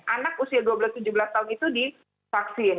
anak usia dua belas tujuh belas tahun itu divaksin